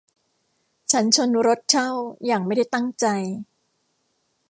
ฉันชนรถเช่าอย่างไม่ได้ตั้งใจ